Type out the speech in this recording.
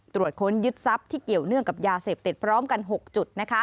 ตรวจค้นยึดทรัพย์ที่เกี่ยวเนื่องกับยาเสพติดพร้อมกัน๖จุด